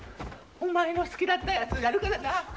お前の好きだったやつやるからな。